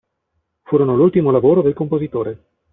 Furono l'ultimo lavoro del compositore.